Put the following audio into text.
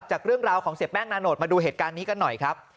จากเรื่องราวของเสียแป้งนาโนตมาดูเหตุการณ์นี้กันหน่อยครับ